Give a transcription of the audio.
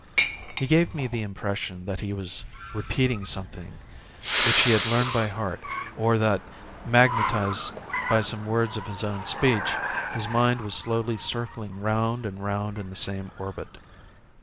He gave me the impression that he was repeating something which he had learned by heart or that, magnetised by some words of his own speech, his mind was slowly circling round and round in the same orbit.